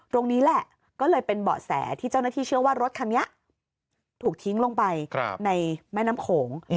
ตรงนี้แหละก็เลยเป็นเบาะแสที่เจ้าหน้าที่เชื่อว่ารถคันนี้ถูกทิ้งลงไปในแม่น้ำโขง